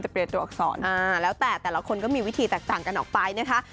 เปลี่ยนตัวอักษรอ่าแล้วแต่แต่ละคนก็มีวิธีแตกต่างกันออกไปนะคะ